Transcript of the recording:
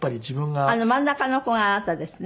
あの真ん中の子があなたですね？